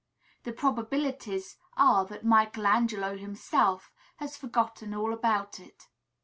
The probabilities are that Michel Angelo himself has forgotten all about it.